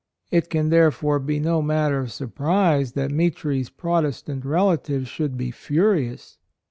It can, therefore, be no matter of surprise that Mitri's Protes tant relatives should be furious.